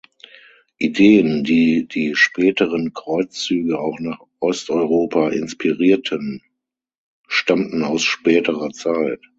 Ideen, die die späteren Kreuzzüge auch nach Osteuropa inspirierten, stammten aus späterer Zeit.